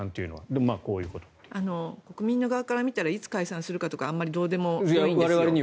でも、こういうことだと。国民の側から見たらいつ解散するかとかはどうでもいいんですよ。